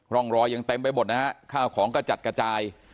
ร่องรอยยังเต็มไปหมดนะฮะข้าวของก็จัดกระจาย